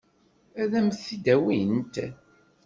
Ad m-t-id-awint?